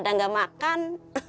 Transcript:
tapi kalau mau makan harus makan